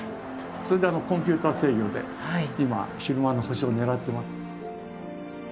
それでコンピューター制御で今昼間の星を狙ってます。